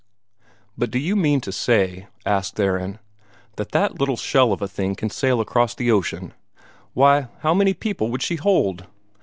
"But do you mean to say," asked Theron, "that that little shell of a thing can sail across the ocean? Why, how many people would she hold?"